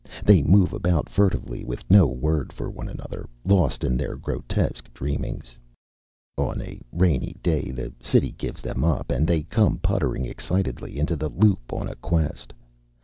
They move about furtively with no word for one another, lost in their grotesque dreamings. On a rainy day the city gives them up and they come puttering excitedly into the loop on a quest.